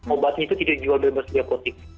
obatnya itu tidak dijual dari baris biokotik